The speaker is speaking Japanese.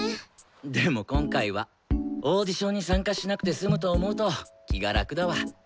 でも今回はオーディションに参加しなくて済むと思うと気が楽だわ。